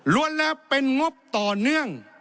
รวมแล้วเป็นงบต่อเนื่อง